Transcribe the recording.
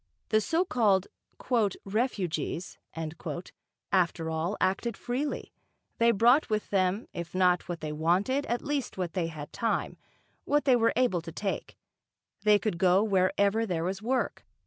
The so called "refugees," after all, acted freely; they brought with them, if not what they wanted at least what they had time, what they were able to take; they could go wherever there was work.